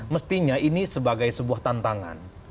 mestinya ini sebagai sebuah tantangan